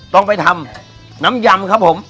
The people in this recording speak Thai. ต้องไปทำน้ำยำครับผม